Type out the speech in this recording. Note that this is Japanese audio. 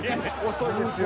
遅いですよ。